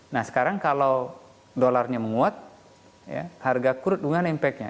nah sekarang kalau dolarnya menguat harga crude dengan impactnya